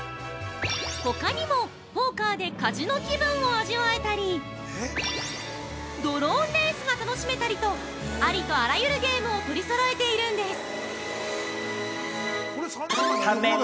ほかにも、ポーカーでカジノ気分を味わえたりドローンレースが楽しめたりとありとあらゆるゲームを取りそろえているんです。